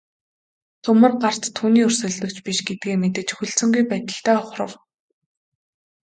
Төмөр гарт түүний өрсөлдөгч биш гэдгээ мэдэж хүлцэнгүй байдалтай ухрав.